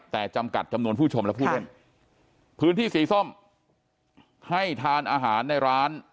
แต่จำกัดจำนวนผู้ชมและผู้เล่นพื้นที่สีส้มให้ทานอาหารในร้าน